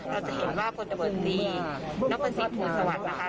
เราจะเห็นว่าพนตะเบิดนี่นักบริกษีนมาสวัสดิ์นะคะ